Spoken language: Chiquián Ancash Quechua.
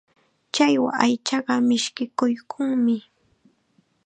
Challwa aychaqa mishkiykunmi.